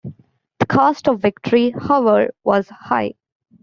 The cost of victory, however, was high.